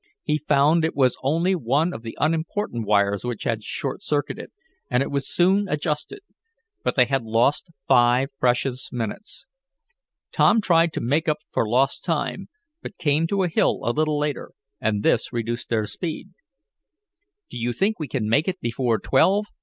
He found it was only one of the unimportant wires which had short circuited, and it was soon adjusted. But they had lost five precious minutes. Tom tried to make up for lost time, but came to a hill a little later, and this reduced their speed. "Do you think we can make it before twelve?"